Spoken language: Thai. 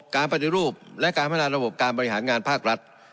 การปฏิรูปและการพัฒนาระบบการบริหารงานภาครัฐ